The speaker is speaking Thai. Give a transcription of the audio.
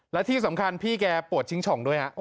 และที่สำคัญพี่แกปวดชิงช่องด้วยฮะ